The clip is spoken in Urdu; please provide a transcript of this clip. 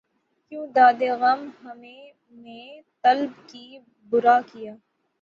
کیوں دادِ غم ہمیں نے طلب کی، بُرا کیا